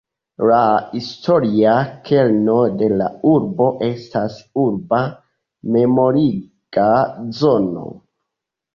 La historia kerno de la urbo estas urba memoriga zono.